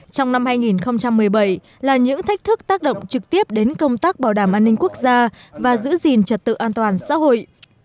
trong năm hai nghìn một mươi bảy là những thách thức tác động trực tiếp đến công tác bảo đảm an ninh quốc gia và giữ gìn trật tự an toàn xã hội